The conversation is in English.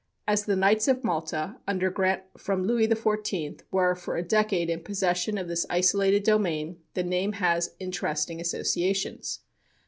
As the Knights of Malta, under grant from Louis XIV, were for a decade in possession of this isolated domain, the name has interesting associations.